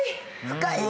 深い。